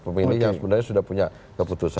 pemilih yang sebenarnya sudah punya keputusan